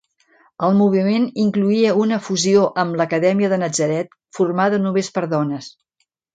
El moviment incloïa una fusió amb l'acadèmia de Natzaret, formada només per dones.